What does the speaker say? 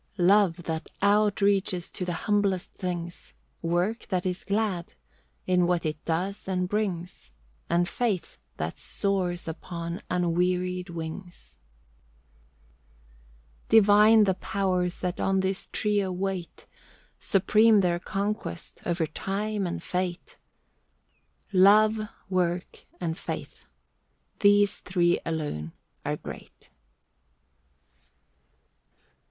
Love, that outreaches to the humblest things; Work that is glad, in what it does and brings; And faith that soars upon unwearied wings. Divine the Powers that on this trio wait. Supreme their conquest, over Time and Fate. Love, Work, and Faith—these three alone are great.